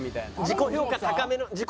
自己評価高めの。